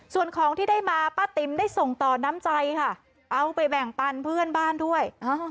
ส่วนของที่ได้มาป้าติ๋มได้ส่งต่อน้ำใจค่ะเอาไปแบ่งปันเพื่อนบ้านด้วย